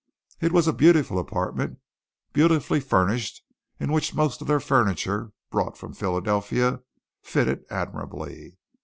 It was a beautiful apartment, beautifully finished in which most of their furniture, brought from Philadelphia, fitted admirably.